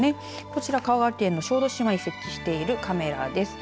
こちら香川県の小豆島に隣接しているカメラです。